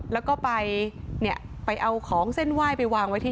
แล้วก็ไปเอาของเส้นไหว้ไปวางไว้ที่